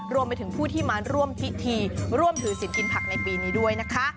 รวมไปถึงผู้ที่มาร่วมพิธีร่วมถือสินกินผักในปีนี้ด้วยนะคะ